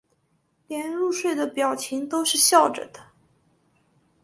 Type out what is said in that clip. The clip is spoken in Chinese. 连入睡的表情都是笑着的